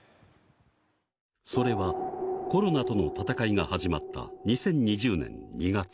それはコロナとの闘いが始まった２０２０年２月。